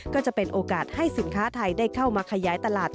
ก็จะเป็นโอกาสให้สินค้าไทยได้เข้ามาขยายตลาด